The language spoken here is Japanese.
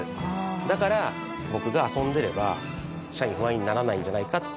だから僕が遊んでれば社員不安にならないんじゃないかっていう